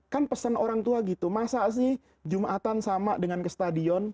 kan pesan orang tua gitu masa sih jumatan sama dengan ke stadion